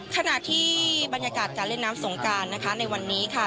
ขณะที่บรรยากาศการเล่นน้ำสงการนะคะในวันนี้ค่ะ